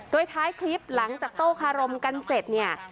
โดยท้ายคลิปหลังจากโต้คารมกันเสร็จเนี่ย